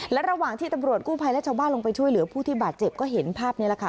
และระหว่างที่ตำรวจกู้ภัยและชาวบ้านลงไปช่วยเหลือผู้ที่บาดเจ็บก็เห็นภาพนี้แหละค่ะ